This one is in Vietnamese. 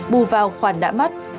bù vào khoản đã mất